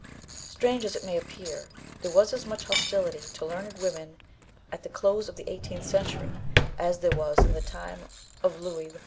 Strange as it may appear there was as much hostility to learned women at the close of the eighteenth century as there was in the time of Louis XIV.